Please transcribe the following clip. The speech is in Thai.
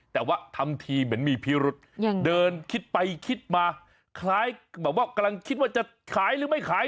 แต่ว่าทำทีเหมือนมีพิรุษเดินคิดไปคิดมาคล้ายแบบว่ากำลังคิดว่าจะขายหรือไม่ขาย